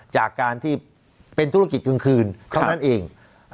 จากการที่เป็นธุรกิจกลางคืนเท่านั้นเอง